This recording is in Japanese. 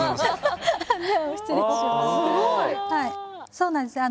そうなんです。